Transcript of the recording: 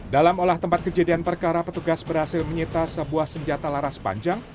dalam olah tempat kejadian perkara petugas berhasil menyita sebuah senjata laras panjang